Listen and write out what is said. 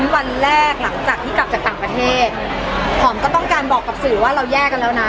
วันแรกหลังจากที่กลับจากต่างประเทศหอมก็ต้องการบอกกับสื่อว่าเราแยกกันแล้วนะ